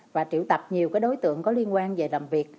và triệu tập nhiều đối tượng có liên quan về làm việc